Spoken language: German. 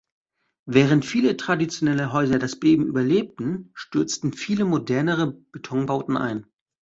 Während viele traditionelle Häuser das Beben überlebten, stürzten viele modernere Betonbauten ein.